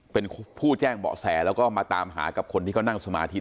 เป็นผู้แจ้งเบาะแสแล้วก็มาตามหากับคนที่เขานั่งสมาธิ